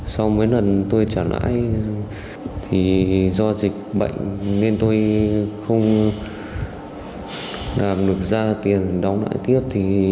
sau mấy lần tôi trả lãi do dịch bệnh nên tôi không làm được ra tiền đóng lại tiếp